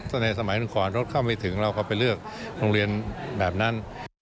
ถ้าในสมัยหนึ่งก่อนรถเข้าไม่ถึงเราก็ไปเลือกโรงเรียนแบบนั้น